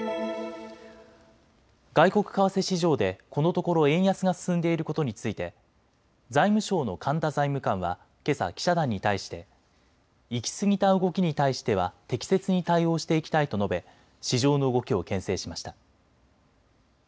外国為替市場でこのところ円安が進んでいることについて財務省の神田財務官はけさ記者団に対して行き過ぎた動きに対しては適切に対応していきたいと述べ市場の動きをけん制しました。